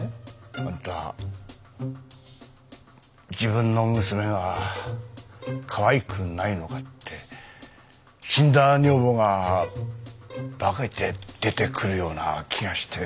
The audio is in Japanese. あんたは自分の娘がかわいくないのかって死んだ女房が化けて出てくるような気がして。